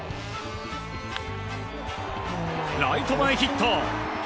ライト前ヒット！